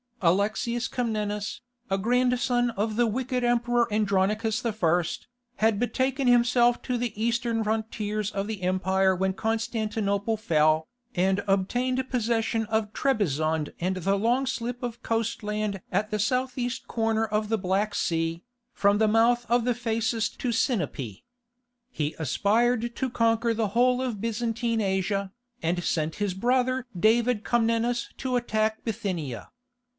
Alexius Comnenus, a grandson of the wicked emperor Andronicus I., had betaken himself to the Eastern frontiers of the empire when Constantinople fell, and obtained possession of Trebizond and the long slip of coast land at the south east corner of the Black Sea, from the mouth of the Phasis to Sinope. He aspired to conquer the whole of Byzantine Asia, and sent his brother David Comnenus to attack Bithynia.